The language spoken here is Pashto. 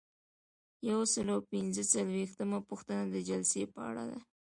یو سل او پنځه څلویښتمه پوښتنه د جلسې په اړه ده.